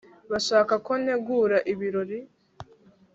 bashaka ko ntegura ibirori